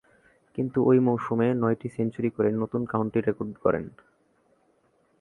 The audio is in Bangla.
কিন্তু ঐ মৌসুমে নয়টি সেঞ্চুরি করে নতুন কাউন্টি রেকর্ড গড়েন।